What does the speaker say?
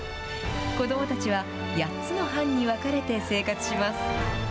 子どもたちは、８つの班に分かれて生活します。